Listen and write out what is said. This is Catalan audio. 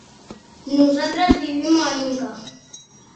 Nosaltres vivim a Inca.